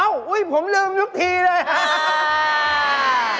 อุ๊ยผมลืมทุกทีเลย